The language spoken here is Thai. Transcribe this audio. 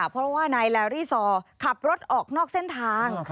เพราะว่านายแลรี่ซอขับรถออกนอกเส้นทาง